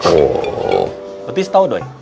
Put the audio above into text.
oh betis tau doi